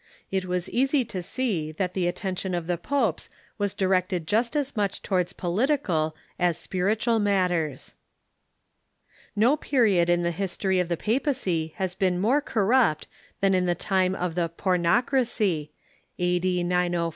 It was easy to see that the attention of the popes was directed just as much towards political as spiritual matters. No period in the history of the papacy has been more cor rupt than the time of the Pornocracy, a.d. 904 962.